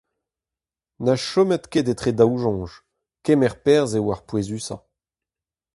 Na chomit ket etre daou soñj : kemer perzh eo ar pouezusañ !